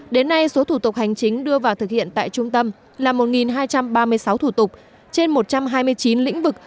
đến nay số thủ tục hành chính đưa vào thực hiện tại trung tâm là một hai trăm ba mươi sáu thủ tục trên một trăm hai mươi chín lĩnh vực